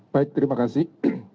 baik terima kasih